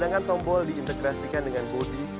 cadangan tombol diintegrasikan dengan bodi